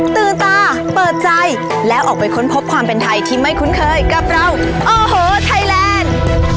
ตื่นตาเปิดใจแล้วออกไปค้นพบความเป็นไทยที่ไม่คุ้นเคยกับเราโอ้โหไทยแลนด์